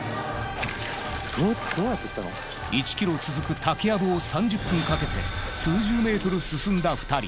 １ｋｍ続く竹藪を３０分かけて数十ｍ進んだ２人。